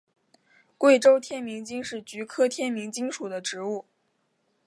贵州天名精是菊科天名精属的植物。